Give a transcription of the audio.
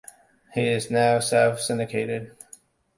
He is now self-syndicated.